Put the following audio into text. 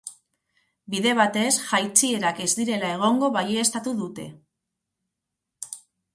Bide batez, jaitsierak ez direla egongo baieztatu dute.